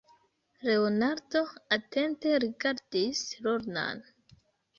Leonardo atente rigardis Lornan.